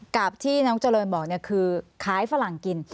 กับที่น้องเจริญบอกคือขายฝรั่งกิน